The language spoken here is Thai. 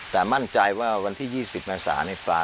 แต่มั่นใจว่าวันที่๒๐เมษาในปลา